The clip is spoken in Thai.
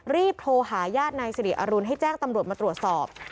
รีบโทรหาญาตินายสิริอรุณให้แจ้งตำรวจมาตรวจสอบ